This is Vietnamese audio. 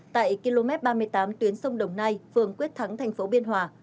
tại km ba mươi tám tuyến sông đồng nai phường quyết thắng thành phố biên hòa